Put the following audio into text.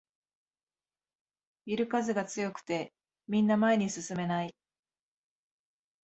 ビル風が強くてみんな前に進めない